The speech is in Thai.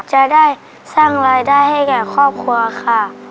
จะได้สร้างรายได้ให้แก่ครอบครัวค่ะ